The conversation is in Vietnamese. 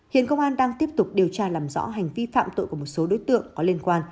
hiện công an đang tiếp tục điều tra làm rõ hành vi phạm tội của một số đối tượng có liên quan